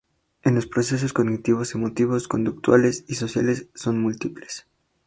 En los procesos cognitivos, emotivos, conductuales y sociales, son múltiples.